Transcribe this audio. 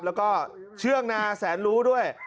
แล้วก็เชื่องนาแสนรู้ด้วย